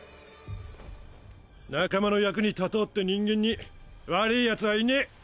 現在仲間の役に立とうって人間に悪ィ奴はいねえ。